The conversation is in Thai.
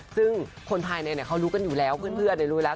ซึ่งคนภายในเขารู้กันอยู่แล้วเพื่อนรู้แล้ว